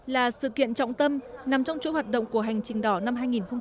là sự kiện trọng tâm nằm trong chỗ hoạt động của hành trình đỏ năm hai nghìn hai mươi